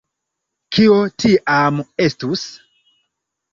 Kio tiam estus?